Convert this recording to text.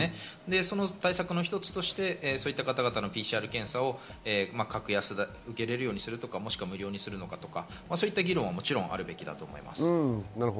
その対策の一つとしてＰＣＲ検査を格安で受けられるようにするとか無料にするとかそういった議論はもちろんあるべきだと思います。